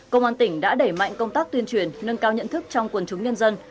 công an tỉnh đã đẩy mạnh công tác tuyên truyền nâng cao nhận thức trong quần chúng nhân dân